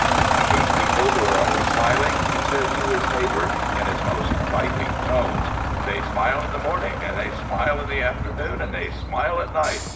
" I hate people who are always smiling," he said to his neighbour in his most biting tones. " They smile in the morning, and they smile in the afternoon, and they smile at night.